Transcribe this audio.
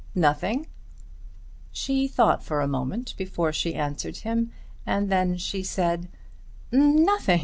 "Nothing?" She thought a moment before she answered him and then she said, "Nothing.